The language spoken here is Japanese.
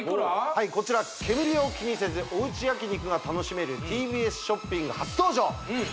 はいこちら煙を気にせずおウチ焼肉が楽しめるＴＢＳショッピング初登場